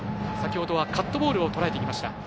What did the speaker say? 先ほどはカットボールをとらえていきました。